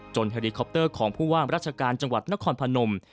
จนฮะดีขบเตอร์ของผู้ว่างรัชการจังหวัดนครผนม